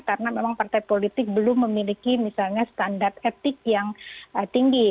karena memang partai politik belum memiliki misalnya standar etik yang tinggi